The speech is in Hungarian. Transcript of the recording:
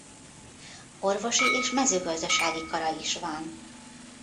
Orvosi és mezőgazdasági kara is van.